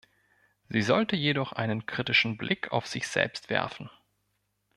Sie sollte jedoch einen kritischen Blick auf sich selbst werfen.